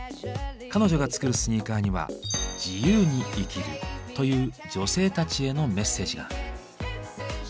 彼女が作るスニーカーには「自由に生きる」という女性たちへのメッセージが。